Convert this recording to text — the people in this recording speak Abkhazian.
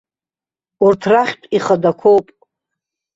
Урҭ рахьтә ихадақәоуп.